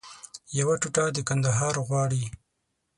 یوه ټوټه د کندهار غواړي